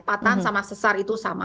patan sama sesar itu sama